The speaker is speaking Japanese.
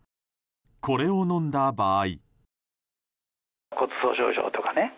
これを飲んだ場合。